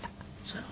そう。